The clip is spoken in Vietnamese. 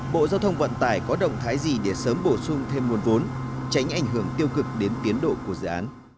bộ giao thông vận tải có động thái gì để sớm bổ sung thêm nguồn vốn tránh ảnh hưởng tiêu cực đến tiến độ của dự án